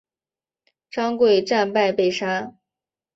张贵战败被杀。